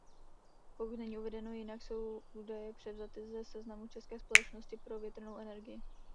Pokud není uvedeno jinak jsou údaje převzaty ze seznamu České společnosti pro větrnou energii.